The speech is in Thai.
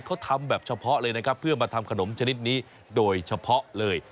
เขาทำแบบเฉพาะเลยนะครับเพื่อมาทำขนมชนิดนี้โดยเฉพาะเลย